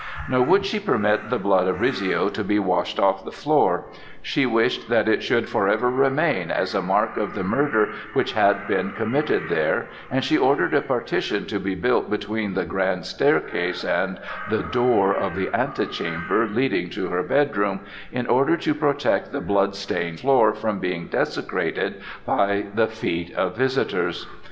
Nor would she permit the blood of Rizzio to be washed off the floor; she wished that it should forever remain as a mark of the murder which had been committed there, and she ordered a partition to be built between the grand staircase and the door of the antechamber leading to her bedroom, in order to protect the blood stained floor from being desecrated by the feet of visitors.